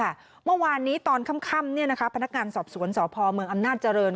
เมื่อวานนี้ตอนค่ำพนักงานสอบสวนสพเมืองอำนาจเจริญ